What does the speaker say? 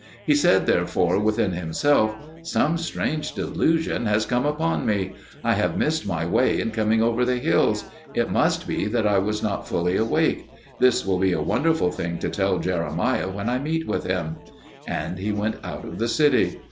He said therefore within himself, "Some strange delusion has come upon me; I have missed my way in coming over the hills: it must be that I was not fully awake. This will be a wonderful thing to tell Jeremiah when I meet with him." And he went out of the city.